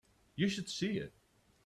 You should see it.